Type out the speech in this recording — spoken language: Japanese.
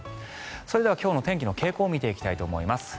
それでは今日の天気の傾向を見ていきたいと思います。